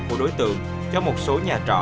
của đối tượng cho một số nhà trọ